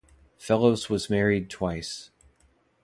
Fellows was married twice.